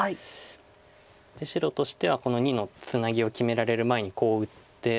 白としてはこの②のツナギを決められる前にこう打って。